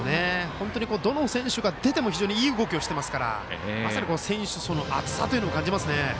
本当にどの選手が出ても非常にいい動きをしていますからまさに選手層の厚さを感じますね。